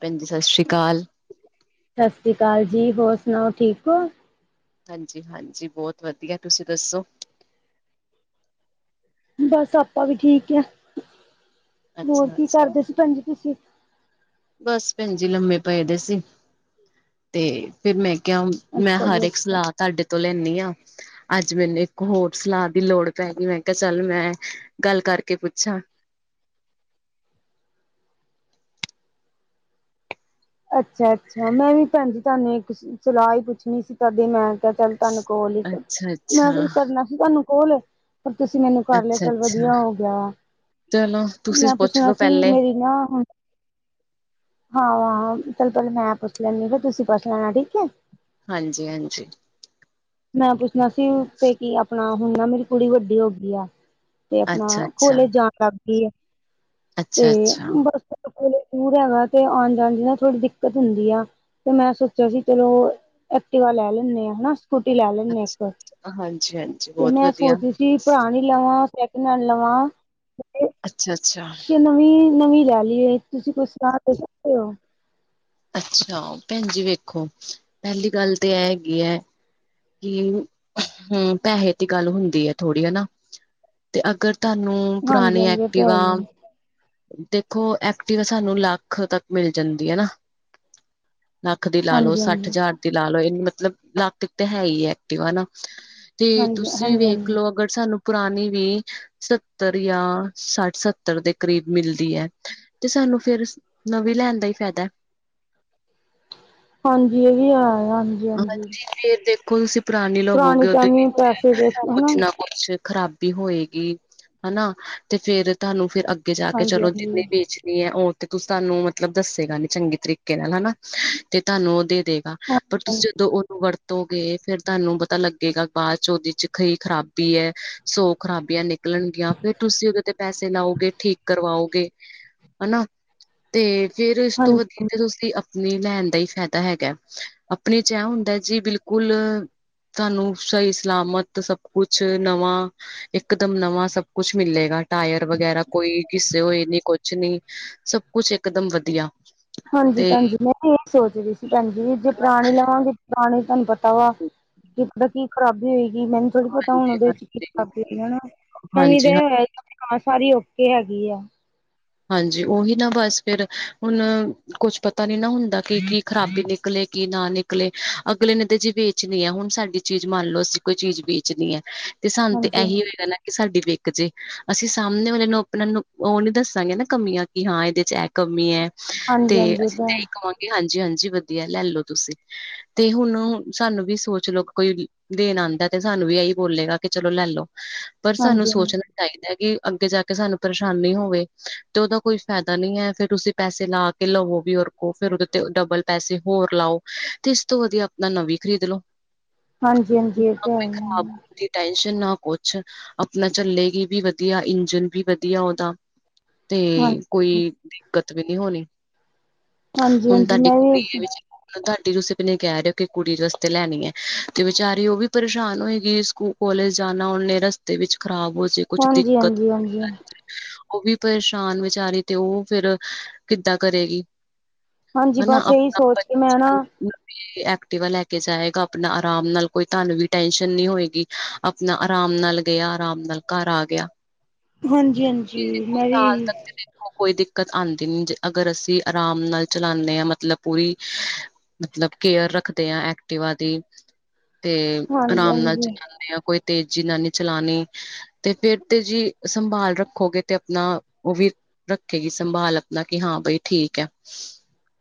ਭੈਣਜੀ, ਸਤਿ ਸ੍ਰੀ ਕਾਲ। ਸਤਿ ਸ਼੍ਰੀ ਕਾਲ ਜੀ, ਹੋਰ ਸੁਣਾਓ ਠੀਕ ਓ? ਹਾਂਜੀ-ਹਾਂਜੀ ਬਹੁਤ ਵਧੀਆ ਤੁਸੀਂ ਦੱਸੋ? ਬਸ ਆਪਾਂ ਵੀ ਠੀਕ ਆ ਹੋਰ ਅੱਛਾ ਕੀ ਅੱਛਾ ਕਰਦੇ ਸੀ ਭੈਣ ਜੀ ਤੁਸੀਂ? ਬਸ, ਭੈਣਜੀ ਲੰਮੇ ਪਏ ਦੇ ਸੀ। ਤੇ ਫੇਰ ਮੈਂ ਕਿਹਾ ਮੈਂ ਅੱਛਾ ਹਰ ਜੀ ਇੱਕ ਅੱਛਾ। ਸਲਾਹ ਤਹਾਡੇ ਤੋਂ ਲੈਣੀ ਆਂ ਅੱਜ ਮੈਨੂੰ ਇੱਕ ਹੋਰ ਸਲਾਹ ਦੀ ਲੋੜ ਪੈ ਗਈ ਮੈਂ ਕਿਹਾ ਚੱਲ ਮੈਂ ਗੱਲ ਕਰਕੇ ਪੁੱਛਾਂ। ਅੱਛਾ-ਅੱਛਾ ਮੈਂ ਵੀ ਭੈਣਜੀ ਤੁਹਾਨੂੰ ਇੱਕ ਸਲਾਹ ਹੀ ਪੁੱਛਣੀ ਸੀ ਤੁਹਾਡੇ ਮੈਂ ਚੱਲ ਤੁਹਾਨੂੰ ਕੋਲ ਹੀ ਅੱਛਾ ਮੈਂ ਅੱਛਾ ਕਰਨਾ ਸੀ ਫੇਰ ਤੁਹਾਨੂੰ ਕੋਲ ਪਰ ਤੁਸੀਂ ਮੈਨੂੰ ਕਰ ਲਿਆ ਅੱਛਾ ਚੱਲ, ਅੱਛਾ ਵਧੀਆ ਹੋ ਗਿਆ। ਚਲੋ ਤੁਸੀਂ ਮੈਂ ਪੁੱਛ ਪੁੱਛਣਾ ਲੋੋ ਸੀ ਪਹਿਲੇ ਮੇਰੀ ਨਾ ਹੁਣ ਹਾਂ ਆ ਪਹਿਲਾ ਮੈਂ ਪੁੱਛ ਲੈਣੀ ਫੇਰ ਤੁਸੀਂ ਪੁੱਛ ਲੈਣਾ ਠੀਕ ਐ ਹਾਂਜੀ ਹਾਂਜੀ ਮੈਂ ਪੁੱਛਣਾ ਸੀ ਤੇ ਕੀ ਆਪਣਾ ਹੁਣ ਨਾ ਮੇਰੀ ਕੁੜੀ ਵੱਡੀ ਹੋ ਗਈ ਐ ਤੇ ਅੱਛਾ ਆਪਣਾ ਅੱਛਾ ਕੋਲਜ ਜਾਣ ਲੱਗ ਗਈ ਐ ਤੇ ਅੱਛਾ ਅੱਛਾ ਬਸ ਕੋਲਜ ਦੂਰ ਹੈਗਾ ਤੇ ਆਣ ਜਾਣ ਚ ਨਾ ਥੋੜੀ ਦਿੱਕਤ ਹੁੰਦੀ ਆ ਤੇ ਮੈਂ ਸੋਚਿਆ ਸੀ ਚਲੋ ਐਕਟਿਵਾ ਲੈ ਲੈਨੇ ਆ ਹਨਾ ਸਕੁਟੀ ਲੈ ਲੈਣੇ ਆ ਇੱਕ ਅੱਛਾ ਹਾਂਜੀ ਹਾਂਜੀ ਤੇ ਬਹੁਤ ਮੈਂ ਵਧੀਆ ਸੋਚਦੀ ਸੀ ਪੁਰਾਣੀ ਲਵਾਂ ਸੈਕਿੰਡ ਹੈਨਡ ਲਵਾਂ, [unintelligible] ਅੱਛਾ, ਅੱਛਾ ਕਿ ਨਵੀਂ ਨਵੀਂ ਲੈ ਲਈਏ ਤੁਸੀਂ ਕੁਛ ਸਲਾਹ ਦੇ ਸਕਦੇ ਹੋ ਅੱਛਾ ਭੈਣਜੀ ਵੇਖੋ ਪਹਿਲੀ ਗੱਲ ਤੇ ਐਹ ਹੈਗੀ ਐ ਕਿ ਹੂੰ ਪੈਹੇ ਦੀ ਗੱਲ ਹੁੰਦੀ ਆ ਥੋੜੀ ਹਨਾ ਤੇ ਅਗਰ ਤੁਹਾਨੂੰ ਹਾਂਜੀ ਪੁਰਾਣੀ ਹਾਂਜੀ ਇਹ ਤੇ ਹੈ ਐਕਟਿਵਾ ਹੀ ਹੈ ਦੇਖੋ ਐਕਟਿਵਾ ਸਾਨੂੰ ਲੱਖ ਤੱਕ ਮਿਲ ਜਾਂਦੀ ਆ ਨਾ ਲੱਖ ਦੀ ਲਾ ਲਓ ਹਾਂਜੀ ਸੱਠ ਹਾਂਜੀ ਹਜ਼ਾਰ ਦੀ ਲਾ ਲਓ ਇਹ ਮਤਲਬ ਲੱਖ ਤੇ ਹੈ ਹੀ ਐਕਟਿਵ ਆ ਨਾ ਤੇ ਹਾਂਜੀ ਤੁਸੀਂ ਹਾਂਜੀ ਹਾਂਜੀ। ਵੇਖਲੋ ਅਗਰ ਸਾਨੂੰ ਪੁਰਾਣੀ ਵੀ ਸੱਤਰ ਜਾਂ ਸੱਠ, ਸੱਤਰ ਦੇ ਕਰੀਬ ਮਿਲਦੀ ਐ ਤੇ ਸਾਨੂੰ ਫੇਰ ਨਵੀਂ ਲੈਣ ਦਾ ਹੀ ਫੈਦਾ ਹਾਂਜੀ ਇਹ ਵੀ ਹੈ ਹਾਂਜੀ, ਹਾਂਜੀ ਫੇਰ ਦੇਖੋ ਤੁਸੀਂ ਪੁਰਾਣੀ ਲੋਵੋਗੇ ਤਾਂ ਉਹਦੇ ਐਵੇਂ ਪੈਸੇ ਵਿੱਚ ਵੇਸਟ ਹਨਾ ਕੁੱਛ ਨਾ ਕੁਛ ਖ਼ਰਾਬੀ ਹੋਏਗੀ, ਹਨਾ ਤੇ ਫੇਰ ਤੁਹਾਨੂੰ ਫੇਰ ਅੱਗੇ ਜਾ ਕੇ ਹਾਂਜੀ ਚਲੋ ਹਾਂਜੀ। ਜਿੰਨੀ ਵੇਜ ਇਹ ਉਹ ਤੇ ਤੁਸੀਂ ਤੁਹਾਨੂੰ ਮਤਲਬ ਦੱਸੇਗਾ ਨੀ ਚੰਗੇ ਤਰੀਕੇ ਨਾਲ ਹਨਾ, ਤੇ ਤੁਹਾਨੂੰ ਉਹਦੇ ਦੇਗਾ ਪਰ ਹਾਂਜੀ ਤੁਸੀਂ ਜਦੋਂ ਉਹਨੂੰ ਵਰ ਵਰਤੋ ਗਏ, ਫਿਰ ਤੁਹਾਨੂੰ ਪਤਾ ਲੱਗੇਗਾ ਬਾਅਦ 'ਚ ਉਹਦੇ 'ਚ ਕੀ ਖਰਾਬੀ ਹੈ ਸੋ ਖਰਾਬੀਆਂ ਨੇ ਨਿਕਲਣਗੀਆਂ, ਫਿਰ ਤੁਸੀਂ ਉਹਦੇ ਤੇ ਪੈਸੇ ਲਾਓਗੇ ਠੀਕ ਕਰਵਾਓਗੇ ਹਨਾ, ਤੇ ਫੇਰ ਇਸ ਤੋਂ ਹਾਂਜੀ ਵਧੀਆ ਤੁਸੀਂ ਆਪਣੀ ਲੈਣ ਦਾ ਹੀ ਫ਼ਾਇਦਾ ਹੈਗਾ, ਆਪਣੀ 'ਚ ਐਹ ਹੁੰਦਾ ਜੀ ਬਿਲਕੁਲ ਤੁਹਾਨੂੰ ਸਹੀ ਸਲਾਮਤ ਸਭ ਕੁਛ ਨਵਾਂ ਇੱਕਦਮ ਨਵਾਂ ਸਭ ਕੁਛ ਮਿਲੇਗਾ ਟਾਇਰ ਵਗੈਰਾ ਕੋਈ ਘਿਸੇ ਹੋਏ ਨੀ ਕੁਛ ਨੀ, ਸਭ ਕੁਛ ਇੱਕਦਮ ਵਧੀਆ ਹਾਂਜੀ ਤੇ ਭੈਣਜੀ ਮੈਂ ਇਹ ਸੋਚਦੀ ਸੀ ਭੈਣਜੀ ਜੇ ਪੁਰਾਣੀ ਲਵਾਂਗੇ ਪੁਰਾਣੀ ਤੁਹਾਨੂੰ ਪਤਾ ਕੀਤਾ ਵਾ ਕਿ ਪਤਾ ਕੀ ਖ਼ਰਾਬੀ ਹੋਏਗੀ ਮੈਨੂੰ ਥੋੜ੍ਹੀ ਪਤਾ ਹੋਣਾ ਹਾਂਜੀ ਉਹਦੇ ਵਿੱਚ ਕੀ ਖਰਾਬੀ ਹਨਾ, ਨਵੀਂ ਹਾਂਜੀ ਤਾਂ ਇਹ ਹੋਇਆ ਹਾਂ ਸਾਰੀ ਓਕੇ ਹੈਗੀ ਐ ਹਾਂਜੀ ਉਹੀ ਨਾ ਬਸ ਫੇਰ, ਹੁਣ ਕੁਛ ਪਤਾ ਨੀ ਨਾ ਹੁੰਦਾ ਕਿ ਕੀ ਖਰਾਬੀ ਨਿਕਲੇ ਕੀ ਨਾ ਨਿਕ ਨਿਕਲੇ, ਅਗਲੇ ਨੇ ਤੇ ਜੀ ਵੇਚਣੀ ਹੈ, ਹੁਣ ਸਾਡੀ ਚੀਜ਼ ਮੰਨ ਲਓ ਅਸੀਂ ਕੋਈ ਚੀਜ਼ ਵੇਚਣੀ ਹੈ ਤੇ ਸਾਨੂੰ ਤੇ ਹਾਂਜੀ ਐਹੀ ਹੋਏਗਾ ਨਾ ਕਿ ਸਾਡੀ ਵਿਕ ਜੇ, ਅਸੀਂ ਸਾਹਮਣੇ ਵਾਲੇ ਨੂੰ ਆਪਣਾ ਉਹ ਨੀ ਦੱਸ ਦਸਾਂਗੇ ਕਮੀਆਂ ਕਿ ਹਾਂ ਇਹਦੇ 'ਚ ਇਹ ਕਮੀ ਹੈ, ਤੇ ਹਾਂਜੀ ਹਾਂਜੀ ਇਹ ਅਸੀਂ ਤਾਂ ਹੈ ਇਹੀਂ ਕਵਾਂਗੇ ਹਾਂਜੀ -ਹਾਂਜੀ ਵਧੀਆ ਲੈ ਲਓ ਤੁਸੀਂ, ਤੇ ਹੁਣ ਸਾਨੂੰ ਵੀ ਸੋਚ ਲਓ ਕੋਈ ਦੇਨ ਆਂਦਾ ਤੇ ਸਾਨੂੰ ਵੀ ਇਹੀ ਬੋਲੇਗਾ ਕਿ ਚਲੋ ਲੈ ਲੋ ਪਰ ਸਾਨੂੰ ਹਾਂਜੀ ਸੋਚਣਾ ਚਾਹੀਦਾ ਕਿ ਅੱਗੇ ਜਾ ਕੇ ਸਾਨੂੰ ਪਰੇਸ਼ਾਨੀ ਹੋਵੇ ਤੇ ਉਹਦਾ ਕੋਈ ਫਾਇਦਾ ਨੀ ਹੈ ਫਿਰ ਤੁਸੀਂ ਪੈਸੇ ਲਾ ਕੇ ਲਵੋ ਵੀ ਔਰ ਕੋੋ, ਫੇਰ ਉਹਦੇ ਤੇ ਡਬਲ ਪੈਸੇ ਹੋਰ ਲਾਓ, ਤੇ ਇਸ ਤੋਂ ਵਧੀਆ ਆਪਣਾ ਨਵੀਂ ਖਰੀਦ ਲਓ ਹਾਂਜੀ- ਹਾਂਜੀ ਇਹ ਤੇ ਹੈ ਹੈ ਆਪਣੀ ਟੈਸ਼ਨ ਨਾ ਪੁਛ, ਆਪਣਾ ਚੱਲੇਗੀ ਵੀ ਵਧੀਆ, ਇੰਜਨ ਵੀ ਵਧੀਆ ਉਹਦਾ ਤੇ ਕੋਈ ਦਿੱਕਤ ਵੀ ਨੀ ਹੋਣੀ ਹਾਂਜੀ ਹੁਣ ਹਾਂਜੀ ਤੁਹਾਡੀ ਮੈਂ ਵੀ ਕੁੜੀ ਦੇ ਵਿੱਚ ਤੁਹਾਡੀ ਤੁਸੀੇਪਨ ਕਹਿ ਰਹੇ ਹੋ ਕਿ ਕੁੜੀ ਰਸਤੇ ਲੈਣੀ ਐ, ਤੇ ਵਿਚਾਰੀ ਉਹ ਵੀ ਪਰੇਸ਼ਾਨ ਹੋਏਗੀ ਸਕੂ ਕਾਲਜ ਜਾਣਾ ਉਹਨੇ ਰਸਤੇ ਵਿੱਚ ਖਰਾਬ ਹੋ ਜੇ ਕੁਛ ਹਾਂਜੀ, ਦਿੱਕਤ ਹਾਂਜੀ, ਹਾਂਜੀ। ਉਹ ਵੀ ਪਰੇਸ਼ਾਨ ਵਿਚਾਰੀ ਤੇ ਉਹ ਫੇਰ ਕਿੱਦਾਂ ਕਰੇਗੀ। ਹਾਂਜੀ ਹੈਨਾ ਬਸ ਇਹੀ ਆਪਣਾ ਸੋਚ ਕੇ ਮੈਂ ਨਾ [unintelligible] ਏ ਐਕਟੀਵਾ ਲੈ ਕੇ ਜਾਏਗਾ ਆਪਣਾ ਆਰਾਮ ਨਾਲ ਕੋਈ ਤੁਹਾਨੂੰ ਵੀ ਟੈਸ਼ਨ ਨਹੀਂ ਹੋਏਗੀ। ਆਪਨਾ ਆਰਾਮ ਨਾਲ ਗਿਆ, ਆਰਾਮ ਨਾਲ ਘਰ ਆ ਗਿਆ। ਹਾਂਜੀ, ਇਹ ਹਾਂਜੀ ਦੇਖੋ ਮੈਂ ਵੀ ਸਾਲ ਇਹੀ ਤੱਕ ਤੇ ਕੋਈ ਦਿੱਕਤ ਆਂਦੀ ਨੀ ਜੇ ਅਗਰ ਅਸੀਂ ਆਰਾਮ ਨਾਲ ਚਲਾਉਂਦੇ ਹਾਂ ਮਤਲਬ ਪੂਰੀ ਮਤਲਬ ਕੇਅਰ ਰੱਖਦੇ ਐ ਐਕਟਿਵਾ ਦੀ। ਤੇ ਹਾਂਜੀ ਆਰਾਮ ਨਾਲ ਹਾਂਜੀ ਚਲਾਉਂਦੇ ਆ ਕੋਈ ਤੇ ਜਿੰਨਾ ਨੇ ਚਲਾਉਣੀ ਤੇ ਫੇਰ ਤੇ ਜ਼ੀ ਸੰਭਾਲ ਰੱਖੋਗੇ ਤੇ ਆਪਣਾ, ਉਹ ਵੀ ਰੱਖੇਗੀ ਸੰਭਾਲ ਆਪਨਾ ਕਿ ਹਾਂ ਬਈ ਠੀਕ ਹੈ।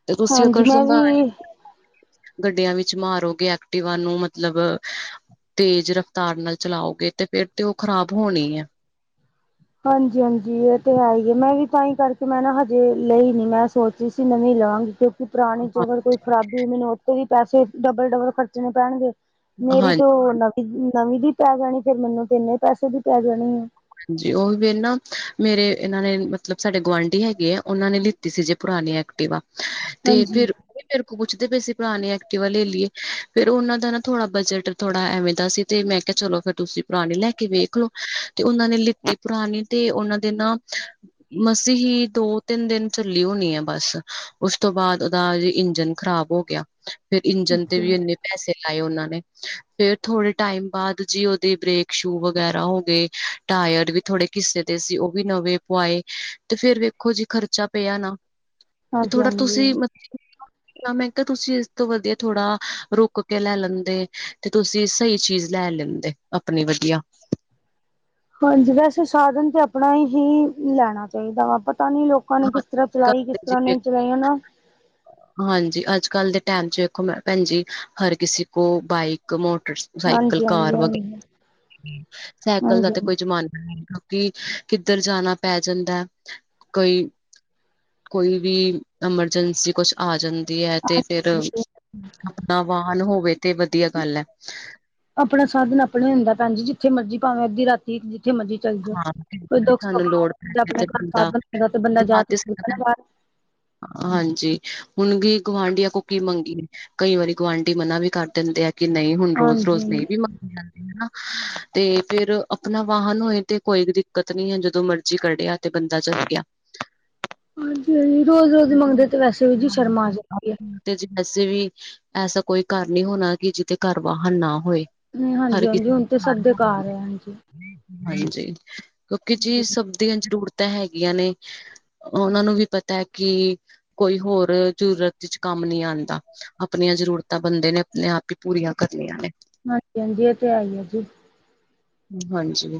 ਤੇ ਤੁਸੀ ਹਾਂਜੀ ਅਗਰ ਮੈਂ ਸੰਭਾਲ ਵੀ ਗੱਡੀਆਂ ਵਿੱਚ ਮਾਰੋਗੇ ਐਕਟਿਵਾ ਨੂੰ ਮਤਲਬ ਤੇਜ਼ ਰਫਤਾਰ ਨਾਲ ਚਲਾਓਗੇ ਤੇ ਫੇਰ ਤੇ ਉਹ ਖ਼ਰਾਬ ਹੋਣੀ ਐ। ਹਾਂਜੀ- ਹਾਂਜੀ ਇਹ ਤੇ ਹੈ ਹੀਏ, ਮੈਂ ਵੀ ਤਾਂ ਹੀ ਕਰਕੇ ਮੈਂ ਨਾ ਹਜੇ ਲਈ ਨੀ ਮੈਂ ਸੋਚ ਰਹੀ ਸੀ ਨਵੀਂ ਲਵਾਂਗੀ ਕਿਉਂ ਕਿ ਪੁਰਾਣੀ ਚ ਅਗਰ ਕੋਈ ਖਰਾਬੀ ਮੈਨੂੰ ਉੱਥਤੇ ਵੀ ਪੈਸੇ ਡਬਲ-ਡਬਲ ਖਰਚਣੇ ਪੈਣਗੇ। ਮੇਰੀ ਹਾਂਜੀ ਤੋਂ ਨਵੀ- ਨਵੀਂ ਦੀ ਪੈ ਜਾਣੀ ਫਿਰ ਮੈਨੂੰ ਤੰ ਇਨੇ ਪੈਸੇ ਦੀ ਪੈ ਜਾਣੀ ਏ। ਹਾਂਜੀ, ਉਹ ਫਿਰ ਨਾ ਮੇਰੇ ਇਹਨਾਂ ਨੇ ਮਤਲਬ ਸਾਡੇ ਗੁਆਂਢੀ ਹੈਗੇ ਆ ਉਹਨਾਂ ਨੇ ਲ ਦਿਤੀ ਸੀ ਜੇ ਪੁਰਾਣੀ ਐਕਟਿਵਾ, ਤੇ ਹਾਂਜੀ ਫਿਰ ਉਹ ਵੀ ਮੇਰੇ ਕੋਲ ਪੁੱਛਦੇ ਪਏ ਸੀ ਪੁਰਾਣੀ ਐਕਟਿਵਾ ਲੈ ਲਈਏ, ਫੇਰ ਉਹਨਾਂ ਦਾ ਨਾ ਥੋੜਾ ਬਜਟ ਥੋੜ੍ਹਾ ਐਵੇਂ ਦਾ ਸੀ, ਤੇ ਮੈਂ ਕਿਹਾ ਚਲੋ ਫੇਰ ਤੁਸੀਂ ਪੁਰਾਣੇ ਲੈ ਕੇ ਵੇਖ ਲੋ। ਤੇ ਉਹਨਾਂ ਨੇ ਲਿੱਤੇ ਪੁਰਾਣੇ, ਤੇ ਉਹਨਾਂ ਦੇ ਨਾ ਮਸੀ ਹੀ ਦੋ ਤਿੰਨ ਦਿਨ ਚੱਲੀ ਹੋਣੀ ਏ ਬੱਸ, ਉਸ ਤੋਂ ਬਾਅਦ ਉਹਦਾ ਜ ਇੰਜਨ ਖ਼ਰਾਬ ਹੋ ਆ, ਫਿਰ ਇੰਜਣ ਤੇ ਓਕੇ ਵੀ ਇੰਨੇ ਪੈਸੇ ਲਾਏ ਉਹਨਾਂ ਨੇ, ਫੇਰ ਥੋੜੇ ਟਾਈਮ ਬਾਅਦ ਜੀ ਉਹਦੇ ਬ੍ਰੇਕ ਸ਼ੂ ਵਗੈਰਾ ਹੋ ਗਏ। ਟਾਇਰ ਵੀ ਥੋੜੇ ਘਿਸੇ ਦੇ ਸੀ, ਉਹ ਵੀ ਨਵੇਂ ਪਵਾਏ, ਤੇ ਫੇਰ ਵੇਖੋ ਜੀ ਖਰਚਾ ਪਿਆ ਨਾ। ਹਾਂਜੀ ਥੋੜਾ ਹਾਂਜੀ ਤੁਸੀਂ ਮਤ ਮੈਂ ਕਿਹਾ ਤੁਸੀਂ ਇਸ ਤੋਂ ਵਧੀਆ ਥੋੜਾ ਰੁਕ ਕੇ ਲੈ ਲੈਂਦੇ ਤੇ ਤੁਸੀਂ ਸਹੀ ਚੀਜ਼ ਲੈ ਲੈਂ ਤੇ ਆਪਣੀ ਵਧੀਆ। ਹਾਂਜੀ, ਵੈਸੇ ਸਾਧਨ ਤੇ ਆਪਣਾ ਹੀ ਲੈਣਾ ਚਾਹੀਦਾ ਵਾ ਪਤਾ ਨੀ ਲੋਕ ਲੋਕਾਂ ਨੇ ਹਾਂ ਕਿਸ ਤਰ੍ਹਾਂ ਚਲਾਈ ਕਿਸ ਤਰ੍ਹਾਂ ਨਹੀਂ ਚਲਾਈ ਹੈਨਾ। ਹਾਂ। ਹਾਂਜੀ, ਅੱਜ ਕੱਲ ਦੇ ਟਾਈਮ ਚ ਵੇਖੋ ਮੈਂ ਭੈਣਜੀ ਹਰ ਕਿਸੇ ਕੋਲ ਬਾਈਕ ਮੋਟਰ ਸਾਈਕਲ ਹਾਂਜੀ ਹਾਂਜੀ ਕਾਰ ਵਗੈ ਹਾਂਜੀ ਸਾਈਕਲ ਦਾ ਹਾਂਜੀ ਤੇ ਕੋਈ ਜ਼ਮਾਨਾ ਤੀ ਕਿੱਧਰ ਜਾਣਾ ਪੈ ਜਾਂਦੈ। ਕੋਈ, ਕੋਈ ਵੀ ਐਮਰਜੈਂਸੀ ਕੁਛ ਆ ਜਾਂਦੀ ਹੈ, ਤੇ ਫਿਰ ਹਾਂਜੀ ਆਪਣਾ ਵਾਹਨ ਹੋਵੇ ਤੇ ਵਧੀਆ ਗੱਲ ਹੈ। ਆਪਣਾ ਸਾਧਨ ਆਪਣਾ ਹੀ ਹੁੰਦੈ ਭੈਣਜੀ, ਜਿੱਥੇ ਮਰਜ਼ੀ ਭਾਵੇਂ ਅੱਧੀ ਰਾਤੀ ਜਿੱਥੇ ਮਰਜ਼ੀ ਚੱਲ ਜੋ, ਹਾਂ ਕੋਈ ਦੁੱਖ ਸਾਨੂੰ ਸੁੱਖ ਲੋੜ ਪੈ ਆਪਣੇ ਤੇ ਘਰ ਬੰਦਾ ਸਾਧਨ ਹੈਗਾ ਤੇ ਬੰਦਾ ਜਾ ਤੇ ਸਕਦੈ ਨਾ ਬਾਹਰ। ਹਾਂਜੀ, ਹੁਣ ਗ ਗੁਆਂਢੀਆਂ ਕੋ ਕੀ ਮੰਗੀਏ। ਕਈ ਵਾਰੀ ਗੁਆਂਢੀ ਮਨਾ ਵੀ ਕਰ ਦਿੰਦੇ ਆ ਕਿ ਨਹੀਂ ਹੁਣ ਹਾਂਜੀ ਰੋਜ਼-ਰੋਜ਼ ਨਹੀਂ ਵੀ ਮੰਗੀ ਜਾਂਦੀ ਹੈਨਾ, ਤੇ ਫਿਰ ਆਪਣਾ ਵਾਹਨ ਹੋਏ ਤੇ ਕੋਈ ਵੀ ਦਿੱਕਤ ਨੀ ਹੈ ਜਦੋਂ ਮਰਜ਼ੀ ਕੱਢਿਆ ਤੇ ਬੰਦਾ ਚੱਲ ਗਿਆ। ਰੋਜ਼-ਰੋਜ਼ ਮੰਗਦੇ ਤੇ ਵੈਸੇ ਵੀ ਜੀ ਸ਼ਰਮਾ ਆ ਜਾਏ। ਤੇ ਵੈਸੇ ਵੀ ਐਸਾ ਕੋਈ ਘਰ ਨਹੀਂ ਹੋਣਾ ਕਿ ਜਿੱਦੇ ਘਰ ਵਾਹਨ ਨਾ ਹੋਏ। ਨਹੀਂ ਹਰ ਹਾਂਜੀ ਹਾਂਜੀ ਕਿਸਮ ਹੁਣ ਤੇ ਸਭ ਦੇ ਘਰ ਦੀ। ਹੈ ਹਾਂਜੀ। ਹਾਂਜੀ, ਕਿਉਂਕਿ ਜੀ ਹਾਂਜੀ ਸਬਦੀਆਂ ਜ਼ਰੂਰਤ ਤਾਂ ਹੈਗੀਆਂ ਨੇ, ਉਹਨਾਂ ਨੂੰ ਵੀ ਪਤੈ ਕਿ ਕੋਈ ਹੋਰ ਜ਼ਰੂਰਤ ਚ ਕੰਮ ਨਹੀਂ ਆਂਦਾ। ਆਪਣੀਆਂ ਜ਼ਰੂਰਤਾਂ ਬੰਦੇ ਨੇ ਆਪਣੇ ਆਪ ਹੀ ਪੂਰੀਆਂ ਕਰਨੀਆਂ ਨੇ। ਹਾਂਜੀ- ਹਾਂਜੀ, ਏ ਤੇ ਹੈਈ ਐ ਜੀ। ਹਾਂਜੀ,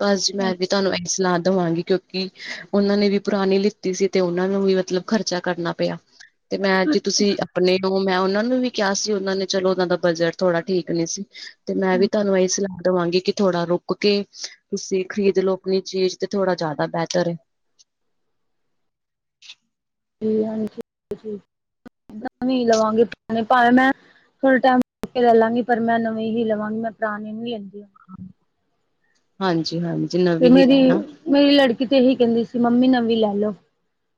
ਬਸ ਜੀ ਮੈਂ ਵੀ ਤਾਨੂੰ ਇਕ ਸਲਾ ਦਵਾਂਗੀ, ਕਿਉਂਕ ਕਿ ਓਨਾਂ ਨੇ ਵੀ ਪੁਰਾਨੀ ਲਿੱਤੀ ਸੀ, ਤੇ ਓਨਾਂ ਨੂੰ ਵੀ ਮਤਲਬ ਖ਼ਰਚਾ ਕਰਨਾ ਪਿਆ। ਤੇ ਮੈਂ ਜੀ, ਤੁਸੀਂ ਆਪਨੇ ਮੈਂ ਓਨਾਂ ਨੂੰ ਵੀ ਕੇਆ ਸੀ, ਓਨਾਂ ਨੇ ਚਲੋ ਓਨਾਂ ਦਾ ਬਜਟ ਥੋੜ੍ਹਾ ਠੀਕ ਨੀ ਸੀ। ਤੇ ਮੈਂ ਵੀ ਤਾਨੂੰ ਏਹੀ ਸਲਾ ਦੇਵਾਂਗੀ ਕਿ ਥੋੜਾ ਰੁਕ ਰੁਕ ਕੇ ਤੁਸੀਂ ਖਰੀਦ ਲੋੋ, ਆਪਣੀ ਚੀਜ਼ ਤੇ ਥੋੜਾ ਜਾਦਾ ਬੈਟਰ ਐ। [inaudible] ਹਾਂ ਜੀ -ਹਾਜੀ ਆਪਣੀ ਲਵਾਂਗੇ, ਪਰ ਮੈਂ ਥੋੜੇ ਟੈਮ ਲੈ ਲਾਂਗੀ, ਪਰ ਮੈਂ ਨਵੀ ਹੀ ਲਵਾਂਗੀ ਮੈਂ ਪੁਰਾਨੀ ਨੀ ਲੈਂਦੀ ਹਾਂਜੀ, ਹਾਂਜੀ! ਤੇ, ਨਵੀਂ ਹੀ ਲੈਣਾ ਮੇਰੀ-ਮੇਰੀ ਲੜਕੀ ਤੇ ਏਹੀ ਕਹਿੰਦੀ ਸੀ, ਮੰਮੀ ਨਵੀਂ ਲੈ ਲਓ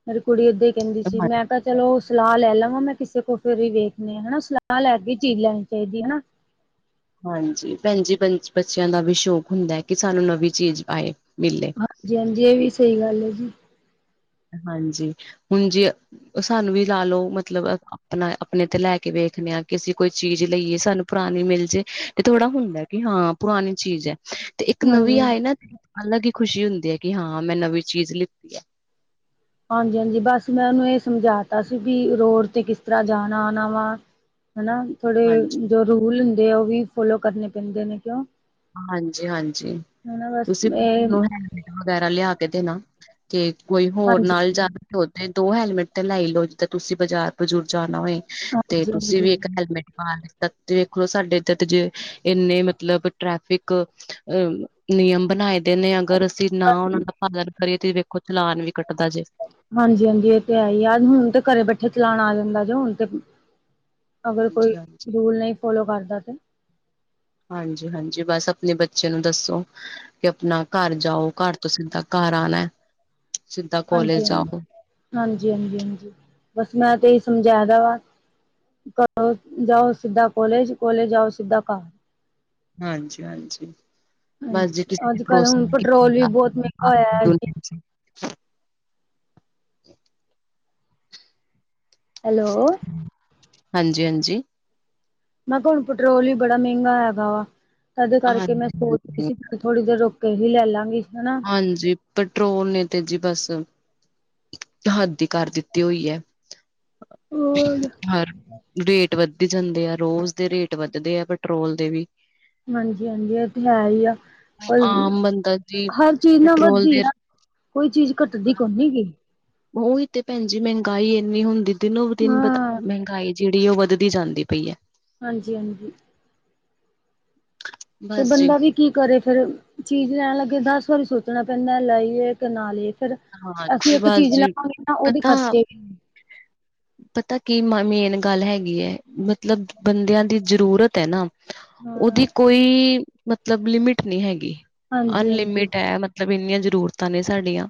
ਪਰ ਕੁੜੀ ਉਦਾਂ ਹੀ ਕਹਿੰਦੀ ਸੀ, ਹਾਂ ਮੈਂ-ਤਾਂ ਚਲੋ ਸਲਾ ਲੈ ਲਵਾਂ ਮੈਂ ਕਿਸੇ ਕੋਲ, ਫਿਰ ਹੀ ਵੇਖ ਨੇ ਹੈਨਾ ਸਲਾਹ ਲੈ ਕੇ ਚੀਜ਼ ਲੈਣੀ ਚਾਹੀਦੀ ਹਨਾ ਹਾਂਜੀ, ਭੈਣ ਜੀ, ਬੱਚਿਆਂ ਦਾ ਵੀ ਸ਼ੌਕ ਹੁੰਦਾ ਕਿ ਸਾਨੂੰ ਨਵੀਂ ਚੀਜ਼ ਆਏ ਮਿਲੇ। ਹਾਂਜੀ, ਹਾਂਜੀ ਏ ਵੀ ਸਹੀ ਗੱਲ ਐ ਜੀ ਹਾਂਜੀ, ਹੁਣ ਜੇ ਓ ਸਾਨੂੰ ਵੀ ਲਾ ਲਓ, ਮਤਲਬ ਆਪਣਾ-ਆਪਣੇ ਤੇ ਲੈ ਕੇ ਵੇਖਣੇ ਆ, ਕਿਸੀਂ ਕੋਈ ਚੀਜ਼ ਲਈਏ ਸਾਨੂੰ ਪੁਰਾਨੀ ਮਿਲ ਜੇ, ਤੇ ਥੋੜਾ ਹੁੰਦਾ ਕੀ ਹਾਂ, ਪੁਰਾਨੀ ਚੀਜ਼ ਐ ਤੇ ਇੱਕ ਨਵੀਂ ਹਾਂਜੀ। ਆਏ ਨਾ, ਅਲੱਗ ਈ ਖੁਸ਼ੀ ਹੁੰਦੀ ਐ ਕਿ ਹਾਂ ਮੈਂ ਨਵੀਂ ਚੀਜ਼ ਲਿ ਹਾਂਜੀ, ਹਾਂਜੀ, ਬਸ ਮੈਂ ਓਨੂੰ ਇਹ ਸਮਝਾ ਤਾਂ ਸੀ ਬੀ ਰੋਡ ਤੇ ਕਿਸ ਤਰ੍ਹਾਂ ਜਾਣਾ-ਆਨਾ ਵਾ ਹਨਾ ਥੋੜੇ ਹਾਂਜੀ ਜੋ ਰੂਲ ਹੁੰਦੇ ਆ ਓਹ ਵੀ ਫੋਲੋ ਕਰਨੇ ਪੈਂਦੇ ਨੇ ਕਿਉਂ ਹਾਂਜੀ, ਹਾਂਜੀ, ਹਨਾ ਬਸ ਤੁਸੀਂ [unintelligible] ਇਹ ਵਗੈਰਾ ਲਿਆ ਕੇ ਦੇਨਾ ਤੇ ਕੋਈ ਹੋਰ ਹਾਂਜੀ ਨਾਲ ਹਾਂਜੀ ਜਾਨਾ ਓਥੇ ਦੋ ਹੈਲਮੇਟ ਤੇ ਲੈ ਈ ਲਓ ਜਿੱਦਾਂ ਤੁਸੀਂ ਬਜ਼ਾਰ-ਬਜ਼ੂਰ ਜਾਨਾ ਹੋਏ ਤੇ ਤੁਸੀਂ ਹਾਂਜੀ ਵੀ ਇੱਕ ਹੈਲਮੇਟ ਪਾ ਲੀਤਾ 'ਤੇ ਦੇਖ ਲੋ, ਸਾਡੇ ਏਧਰ ਤੇ ਜੇ ਇੰਨੇ ਮਤਲਬ ਟ੍ਰੈਫਿਕ ਅ ਨਿਯਮ ਬਨਾਏ ਦੇ ਨੇ, ਅਗਰ ਅਸੀਂ ਨਾ ਓਨਾ ਦਾ ਅਗਰ ਕਰੀਏ, ਤੇ ਵੇਖੋ ਚਲਾਨ ਵੀ ਕੱਟਦਾ ਜੇ। ਹਾਂਜੀ, ਹਾਂਜੀ, ਏ-ਤੇ-ਹੈ-ਈ ਐ ਹੁਨ ਤੇ ਘਰੇ ਬੈਠੇ ਚਲਾਣ ਆ ਜਾਂਦਾ ਹੁਣ ਤੇ ਅਗਰ ਕੋਈ ਹਾਂਜੀ-ਹਾਂਜੀ। ਰੂਲ ਨਹੀਂ ਫੋਲੋ ਕਰਦਾ ਤੇ। ਹਾਂਜੀ, ਹਾਂਜੀ, ਬਸ ਆਪਣੇ ਬੱਚੇ ਨੂੰ ਦੱਸੋ ਕਿ ਆਪਣਾ ਘਰ ਜਾਓ, ਘਰ ਤੋਂ ਸਿੱਦਾ, ਘਰ ਆਨਾ। ਹਾਂਜੀ, ਹਾਂਜੀ, ਹਾਂਜੀ, ਹਾਂਜੀ, ਬਸ ਮੈਂ-ਤੇ-ਈ ਸਮਝਾਦਾ ਵਾ ਘਰ ਜਾਓ, ਸਿੱਧਾ ਕੋਲੇਜ, ਕੋਲੇਜ ਜਾਓ, ਸਿੱਧਾ ਘਾ ਹਾਂਜੀ, ਹਾਂਜੀ। ਬੱਸ ਜੀ ਹਾਂਜੀ ਕਿਸੀ ਨੇ ਅੱਜ ਕੱਲ ਹੁਣ ਭਰੋਸਾ ਪੈਟਰੋਲ ਵੀ ਕੀਤਾ ਬਹੁਤ ਮਹਿੰਗਾ ਹੋਇਆ ਹੈ ਜੀ [unintelligible] ਹੈਲੋ! ਹਾਂਜੀ, ਹਾਂਜੀ! ਮੈਂ ਕਾ, ਹੁਣ ਪੈਟਰੋਲ ਹੀ ਬੜਾ ਮੈਂਗਾ ਹੈਗਾ ਵਾ, ਏਦੇ ਕਰਕੇ ਮੈਂ ਸੋਚ ਰੀ ਹਾਂਜੀ ਸੀ ਥੋੜੀ ਦੇਰ ਰੁਕੇ ਹੀ ਲੈ ਲਾਂਗੀ ਹੈਨਾ। ਹਾਂਜੀ, ਪੈਟਰੋਲ ਨੇ ਤੇ ਜੀ ਬਸ ਹੱਦ ਈ ਕਰ ਦਿੱਤੀ ਹੋਈ ਐ, ਹੋਰ ਹਰ ਰੇਟ ਵੱਧੀ ਜਾਂਦੇ ਆ, ਰੋਜ਼ ਦੇ ਰੇਟ ਵੱਧਦੇ ਆ, ਪੈਟਰੋਲ ਦੇ ਵੀ। ਹਾਂਜੀ, ਹਾਂਜੀ, ਏ ਤੇ ਹੈ ਈ ਐ, ਪਰ ਆਮ ਬੰਦਾ ਜੀ ਹਰ ਚੀਜ਼ ਨਾ ਪੈਟਰੋਲ ਵੱਧਦੀ ਦੇ ਐ, ਕੋਈ ਚੀਜ਼ ਘੱਟਦੀ ਕੋਨੀ ਗੀ। ਓਈ ਤੇ ਭੈਣ ਜੀ, ਮੰਗਾਈ ਏਨੀ ਹੁੰਦੀ, ਦਿਨੋ-ਦਿਨ- ਹਾਂ ਮਹਿੰਗਾਈ ਜੇੜੀ ਓ ਵਧ ਦੀ ਜਾਂਦੀ ਪਈ ਐ। ਹਾਂਜੀ, ਹਾਂਜੀ। ਤੇ ਬਸ ਜੀ ਬੰਦਾ ਵੀ ਕੀ ਕਰੇ ਫਿਰ ਚੀਜ਼ ਲੈਣ ਲੱਗੇ ਦਸ ਵਾਰੀ ਸੋਚਣਾ ਪੈਂਦਾ ਲਈਏ ਕਿ ਨਾ ਲਈਏ ਫਿਰ ਅਸੀਂ ਹਾਂਜੀ ਇੱਕ ਬਸ ਚੀਜ਼ ਜੀ ਲਾਵਾਂਗੇ ਨਾ ਓਦੇ ਪਤਾ ਖ਼ਰਚੇ [inaudible] ਪਤਾ ਕੀ ਮੇਨ ਗੱਲ ਹੈਗੀ ਹੈ ਮਤਲਬ ਬੰਦਿਆਂ ਦੀ ਜ਼ਰੂਰਤ ਹੈ ਨਾ ਹਾਂ ਉਹਦੀ ਕੋਈ ਮਤਲਬ ਲਿਮਿਟ ਨਹੀਂ ਹੈਗੀ ਹਾਂਜੀ ਹਾਂਜੀ ਅਨਲਿਮਿਟ ਹੈ ਮਤ ਮਤਲਬ ਇੰਨੀਆਂ ਜ਼ਰੂਰਤਾਂ ਨੇ ਸਾਡੀਆਂ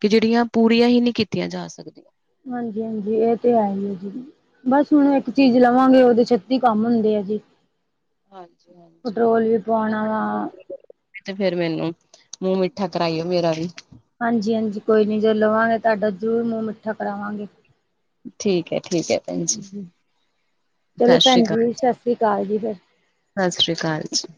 ਕੀ ਜੇੜੀਆਂ ਪੂਰੀਆਂ ਹੀ ਨੀਂ ਕੀਤੀਆਂ ਜਾ ਸਕਦੀਆਂ। ਹਾਂਜੀ-ਹਾਂਜੀ, ਏ ਤੇ ਹੈਹੀ ਐ ਜੀ। ਬਸ ਹੁਣ ਇੱਕ ਚੀਜ਼ ਲਵਾਂਗੇ, ਓਦੇ ਛੱਤੀ ਕੰਮ ਹੁੰਦੇ ਐ ਜੀ। ਹਾਂਜੀ-ਹਾਂਜੀ ਪਟਰੋਲ ਵੀ ਪਵਾਉਂਣਾ ਵਾ। ਤੇ ਫਿਰ ਮੈਨੂੰ, ਮੂੰਹ ਮਿੱਠਾ ਕਰਾਈਓ ਮੇਰਾ ਵੀ। ਹਾਂਜੀ-ਹਾਂਜੀ ਕੋਈ ਨੀਂ ਜੇ ਲਵਾਂਗੇ ਤੁਆਡਾ ਜਰੂਰ ਮੂੰਹ ਮਿੱਠਾ ਕਰਾਵਾਂਗੇ। ਠੀਕੈ-ਠੀਕੈ। ਹਾਂਜੀ ਚਲੋ ਭੈਣਜੀ, ਸਸ ਸ੍ਰੀ ਅਕਾਲ ਜੀ। ਸਸ ਸ਼੍ਰੀ ਅਕਾਲ ਜੀ।